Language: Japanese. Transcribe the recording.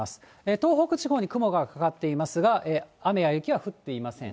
東北地方に雲がかかっていますが、雨や雪は降っていません。